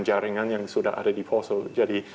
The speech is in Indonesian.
jaringan yang sudah ada di poso jadi